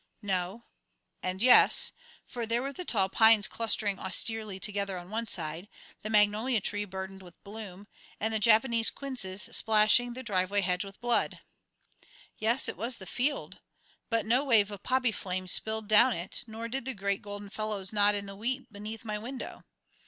No and yes, for there were the tall pines clustering austerely together on one side, the magnolia tree burdened with bloom, and the Japanese quinces splashing the driveway hedge with blood. Yes, it was the field, but no wave of poppy flame spilled down it, nor did the great golden fellows nod in the wheat beneath my window.